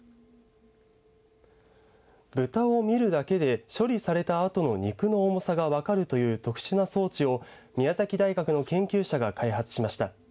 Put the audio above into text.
豚を見るだけで処理されたあとの肉の重さが分かるという特殊な装置を宮崎大学の研究者が開発しました。